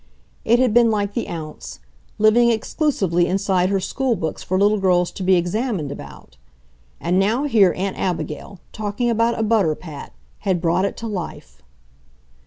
It had been like the ounce, living exclusively inside her schoolbooks for little girls to be examined about. And now here Aunt Abigail, talking about a butter pat, had brought it to life!